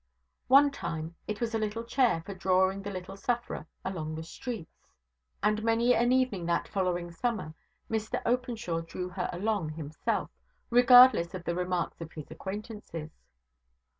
One time, it was a little chair for drawing the little sufferer along the streets; and, many an evening that following summer, Mr Openshaw drew her along himself, regardless of the remarks of his acquaintances.